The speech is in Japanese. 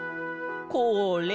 これ。